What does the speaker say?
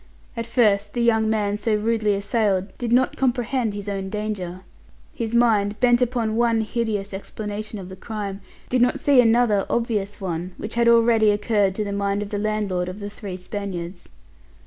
At first the young man, so rudely assailed, did not comprehend his own danger. His mind, bent upon one hideous explanation of the crime, did not see another obvious one which had already occurred to the mind of the landlord of the Three Spaniards.